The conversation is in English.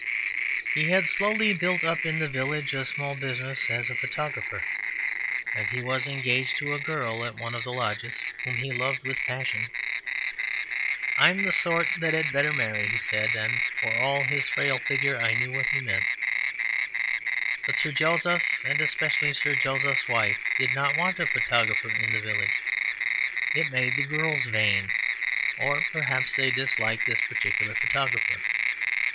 He had slowly built up in the village a small business as a photographer, and he was engaged to a girl at one of the lodges, whom he loved with passion. "I'm the sort that 'ad better marry," he said; and for all his frail figure I knew what he meant. But Sir Joseph, and especially Sir Joseph's wife, did not want a photographer in the village; it made the girls vain, or perhaps they disliked this particular photographer.